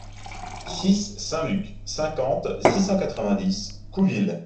six saint Luc, cinquante, six cent quatre-vingt-dix, Couville